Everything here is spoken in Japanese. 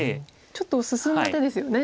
ちょっと進んだ手ですよね。